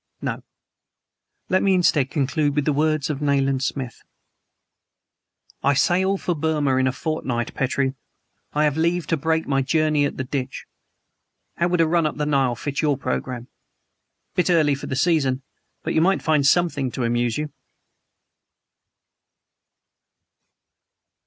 No, let me, instead, conclude with the words of Nayland Smith: "I sail for Burma in a fortnight, Petrie. I have leave to break my journey at the Ditch. How would a run up the Nile fit your programme? Bit early for the season, but you might find something to amuse you!"